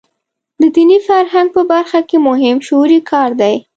د دیني فرهنګ په برخه کې مهم شعوري کار دی.